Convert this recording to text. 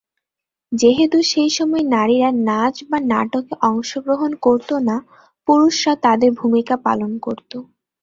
যেহেতু সেইসময় নারীরা নাচ বা নাটকে অংশগ্রহণ করত না, পুরুষরা তাদের ভূমিকা পালন করত।